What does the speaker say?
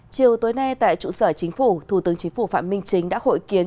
chiều tối nay tại trụ sở chính phủ thủ tướng chính phủ phạm minh chính đã hội kiến